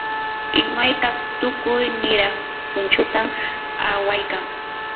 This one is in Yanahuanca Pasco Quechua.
imayka tukuy niraq punchutam awaykan.